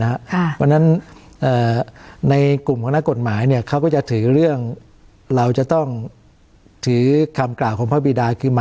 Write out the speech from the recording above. เพราะฉะนั้นในกลุ่มของนักกฎหมายเนี่ยเขาก็จะถือเรื่องเราจะต้องถือคำกล่าวของพระบิดาคือ